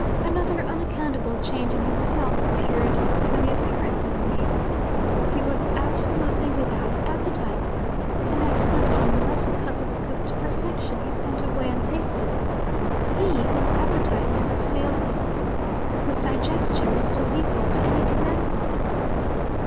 Another unaccountable change in himself appeared with the appearance of the meal. He was absolutely without appetite. An excellent omelette, and cutlets cooked to perfection, he sent away untasted he, whose appetite never failed him, whose digestion was still equal to any demands on it!